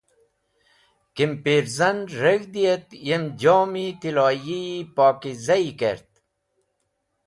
Kimpirzan reg̃hdi et yem jom-e tiloyiyi pokizayi kert.